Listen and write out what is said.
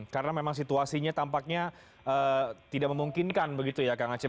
karena memang situasinya tampaknya tidak memungkinkan begitu ya kang aceh